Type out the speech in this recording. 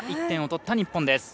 １点を取った日本。